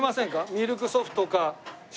ミルクソフトか静岡。